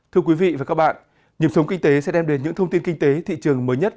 thưa quý vị và các bạn nhiệm sống kinh tế sẽ đem đến những thông tin kinh tế thị trường mới nhất